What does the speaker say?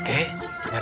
gak ada yang pake